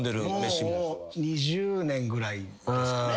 ２０年ぐらいですかね。